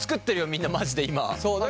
みんなマジで今。